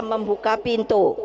saya membuka pintu